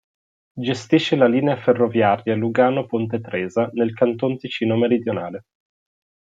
Gestisce la linea ferroviaria Lugano-Ponte Tresa, nel Canton Ticino meridionale.